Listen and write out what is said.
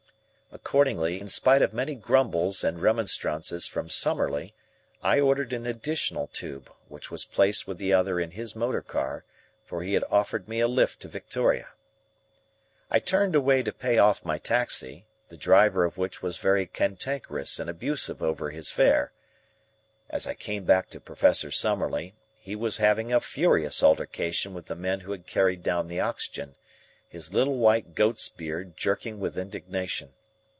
Accordingly, in spite of many grumbles and remonstrances from Summerlee, I ordered an additional tube, which was placed with the other in his motor car, for he had offered me a lift to Victoria. I turned away to pay off my taxi, the driver of which was very cantankerous and abusive over his fare. As I came back to Professor Summerlee, he was having a furious altercation with the men who had carried down the oxygen, his little white goat's beard jerking with indignation.